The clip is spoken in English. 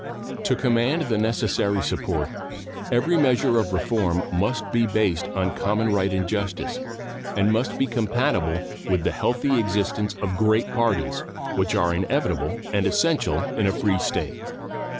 To command the necessary support, every measure of reform must be based on common right and justice, and must be compatible with the healthy existence of great parties, which are inevitable and essential in a free state.